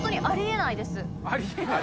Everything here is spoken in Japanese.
あり得ない？